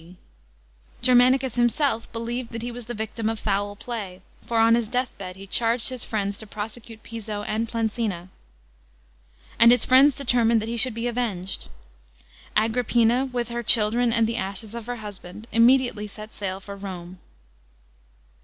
Germanicus himself believed that he was the victim of foul play, for on his deathbed he charged hie friends to prosecute Piso und Plancina. And his uiends determined that he should be avenged. Agrippina, w^h Jier children and tie ashes of her husband, immediwtely set oail for KUBJ.